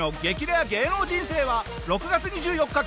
レア芸能人生は６月２４日